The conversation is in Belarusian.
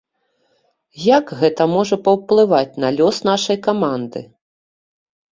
Як гэта можа паўплываць на лёс нашай каманды?